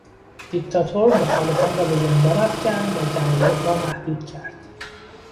دیکتاتور مخالفان را به زندان افکند و جراید را محدود کرد.